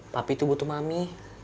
papih tuh butuh mami